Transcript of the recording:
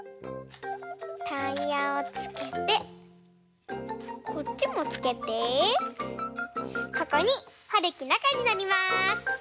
タイヤをつけてこっちもつけてここにはるきなかにのります！